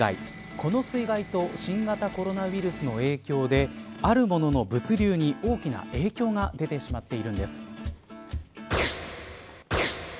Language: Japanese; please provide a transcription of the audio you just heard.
この水害と新型コロナウイルスの影響であるものの物流に大きな影響が出てしまっているんです。